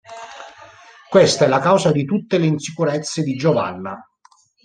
Questa è la causa di tutte le insicurezze di Giovanna.